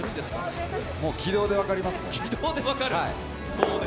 もう軌道で分かりますね。